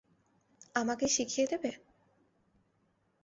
আমাকে শিখিয়ে দেবে?